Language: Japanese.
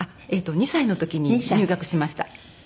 ２歳の時に入学しました。